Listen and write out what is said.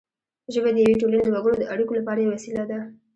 ژبه د یوې ټولنې د وګړو د اړیکو لپاره یوه وسیله ده